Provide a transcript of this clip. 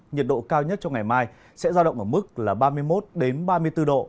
nhiệt độ cao nhất trong ngày mai sẽ ra động ở mức ba mươi một ba mươi bốn độ